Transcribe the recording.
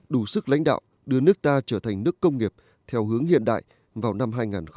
đủ sức lãnh đạo đưa nước ta trở thành nước công nghiệp theo hướng hiện đại vào năm hai nghìn ba mươi